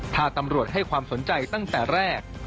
ถ้าตำรวจให้ความสนใจตั้งแต่แรก